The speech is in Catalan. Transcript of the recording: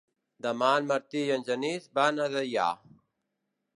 Demà en Martí i en Genís van a Deià.